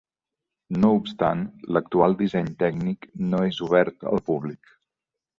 No obstant, l'actual disseny tècnic no és obert al públic.